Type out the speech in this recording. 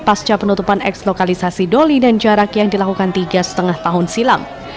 pasca penutupan eks lokalisasi doli dan jarak yang dilakukan tiga lima tahun silam